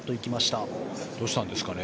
どうしたんですかね